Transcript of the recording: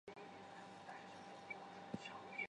西亚区和东南亚区的同国球队不能同一小组比赛。